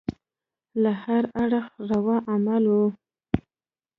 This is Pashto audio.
له هره اړخه روا عمل وو.